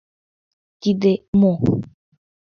Тый мо?..